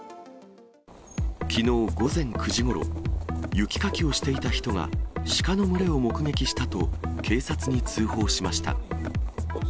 きのう午前９時ごろ、雪かきをしていた人が、シカの群れを目撃したと、警察に通報しました。